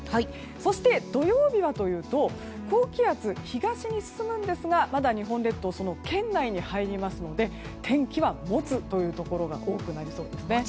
そして土曜日はというと高気圧、東に進むんですがまだ日本列島圏内に入りますので天気はもつというところが多くなりそうですね。